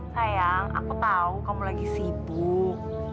sayang aku tahu kamu lagi sibuk